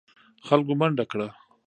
خلکو منډه کړه.